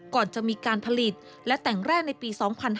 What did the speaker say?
ก่อนจะมีการผลิตและแต่งแร่ในปี๒๕๕๙